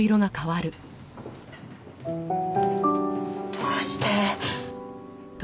どうして？